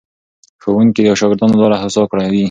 ښوونکي د شاګردانو لاره هوسا کوي.